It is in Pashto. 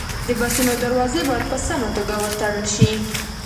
د بسونو دروازې باید په سمه توګه وتړل شي.